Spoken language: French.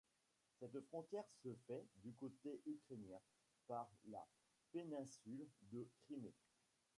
Cette frontière se fait, du côté ukrainien, par la péninsule de Crimée.